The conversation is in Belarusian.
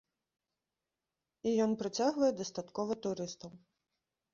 І ён прыцягвае дастаткова турыстаў.